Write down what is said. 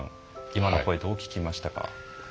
今の声、どう聞きましたか？